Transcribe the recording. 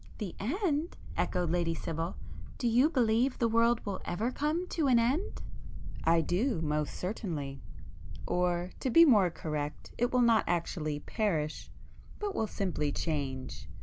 "The end?" echoed Lady Sibyl,—"Do you believe the world will ever come to an end?" [p 151]"I do, most certainly. Or, to be more correct, it will not actually perish, but will simply change.